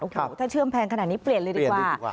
โอ้โหถ้าเชื่อมแพงขนาดนี้เปลี่ยนเลยดีกว่า